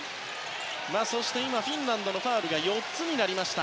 そしてフィンランドのファウルが４つになりました。